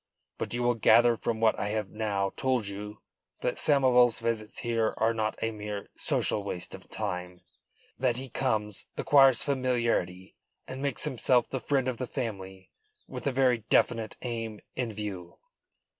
But you will gather from what I have now told you that Samoval's visits here are not a mere social waste of time. That he comes, acquires familiarity and makes himself the friend of the family with a very definite aim in view."